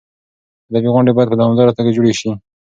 ادبي غونډې باید په دوامداره توګه جوړې شي.